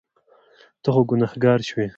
ته خو ګناهګار شوې.